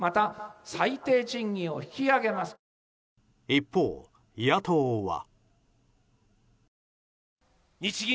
一方、野党は。